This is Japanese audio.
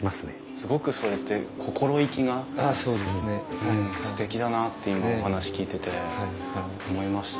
すごくそれって心意気がすてきだなって今お話聞いてて思いました。